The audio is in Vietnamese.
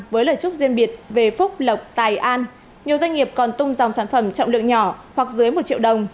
với lời chúc riêng biệt về phúc lộc tài an nhiều doanh nghiệp còn tung dòng sản phẩm trọng lượng nhỏ hoặc dưới một triệu đồng